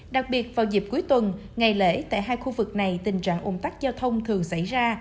đặc biệt vào dịp cuối tuần ngày lễ tại hai khu vực này tình trạng ủng tắc giao thông thường xảy ra